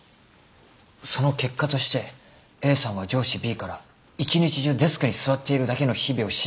その結果としてＡさんは上司Ｂから一日中デスクに座っているだけの日々を強いられたんだ。